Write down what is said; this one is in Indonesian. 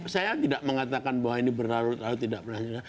saya tidak mengatakan bahwa ini berlarut larut tidak berlarut